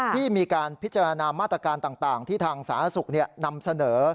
ที่มีการพิจารณามาตรการต่างที่ทางสาธารณสุขนำเสนอ